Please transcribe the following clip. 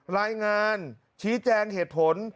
รายงานชี้แจงเหตุผล